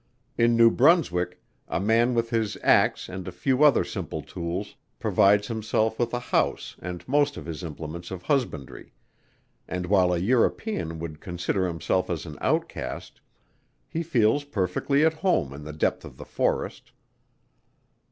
In New Brunswick, a man with his axe and a few other simple tools, provides himself with a house and most of his implements of husbandry, and while a European would consider himself as an outcast, he feels perfectly at home in the depth of the forest.